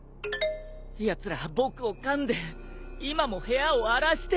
やつら僕をかんで今も部屋を荒らしてる！